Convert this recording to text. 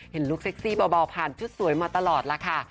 ลุคเซ็กซี่เบาผ่านชุดสวยมาตลอดล่ะค่ะ